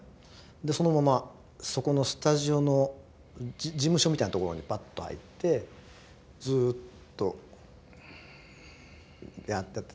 でそのままそこのスタジオの事務所みたいなところにパッと入ってずっとやってて。